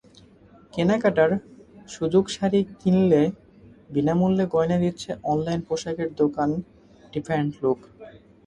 কেনাকাটার সুযোগশাড়ি কিনলে বিনা মূল্যে গয়না দিচ্ছে অনলাইন পোশাকের দোকান ডিফারেন্ট লুক।